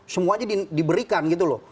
semuanya diberikan gitu loh